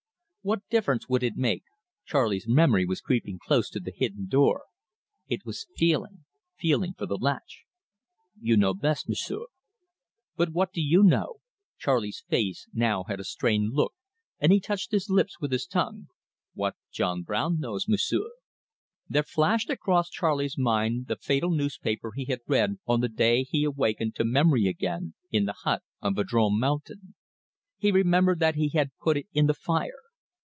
"What difference would it make?" Charley's memory was creeping close to the hidden door. It was feeling feeling for the latch. "You know best, M'sieu'." "But what do you know?" Charley's face now had a strained look, and he touched his lips with his tongue. "What John Brown knows, M'sieu'." There flashed across Charley's mind the fatal newspaper he had read on the day he awakened to memory again in the but on Vadrome Mountain. He remembered that he had put it in the fire.